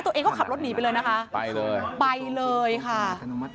ตัวเองก็ขับรถหนีไปเลยนะคะไปเลยไปเลยค่ะ